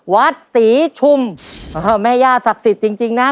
วัดศรีชุมแม่ย่าศักดิ์สิทธิ์จริงจริงนะ